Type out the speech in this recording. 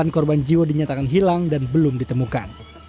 sembilan korban jiwa dinyatakan hilang dan belum ditemukan